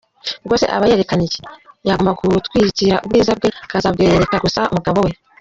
Ubwo se aba yerekana iki? Yagombaga gutwikira ubwiza bwe akazabwereka gusa umugabo we.